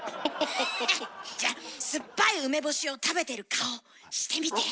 ハッじゃ酸っぱい梅干しを食べてる顔してみて。